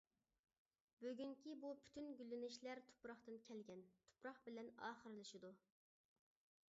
بۈگۈنكى بۇ پۈتۈن گۈللىنىشلەر تۇپراقتىن كەلگەن، تۇپراق بىلەن ئاخىرلىشىدۇ.